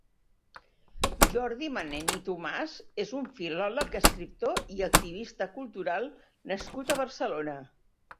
Jordi Manent i Tomàs és un filòleg, escriptor i activista cultural nascut a Barcelona.